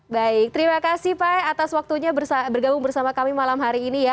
baik terima kasih pak atas waktunya bergabung bersama kami malam hari ini ya